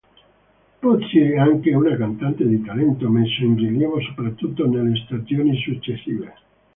Potsie è anche un cantante di talento, messo in rilievo soprattutto nelle stagioni successive.